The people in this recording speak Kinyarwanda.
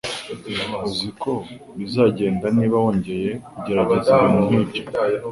Uzi uko bizagenda niba wongeye kugerageza ibintu nkibyo.